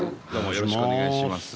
よろしくお願いします。